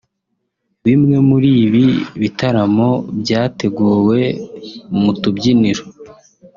Bimwe muri ibi bitaramo byateguwe mu tubyiniro